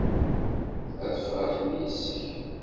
Ad ferḥen yes-k.